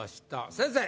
先生！